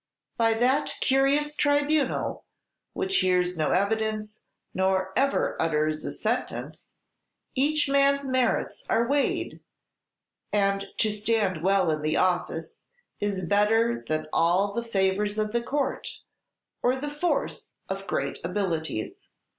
By that curious tribunal, which hears no evidence, nor ever utters a sentence, each man's merits are weighed; and to stand well in the Office is better than all the favors of the Court, or the force of great abilities."